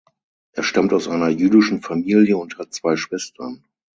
Er stammt aus einer jüdischen Familie und hat zwei Schwestern.